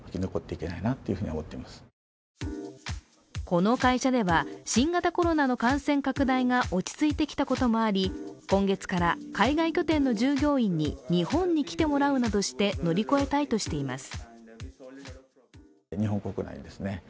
この会社では新型コロナの感染拡大が落ち着いてきたこともあり今月から海外拠点の従業員に日本に来てもらうなどして乗り越えたいとしています。